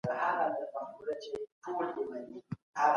له غوړو خوړو ډډه وکړئ.